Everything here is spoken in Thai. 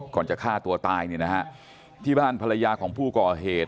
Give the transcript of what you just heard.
จะฆ่าตัวตายเนี่ยนะฮะที่บ้านภรรยาของผู้ก่อเหตุ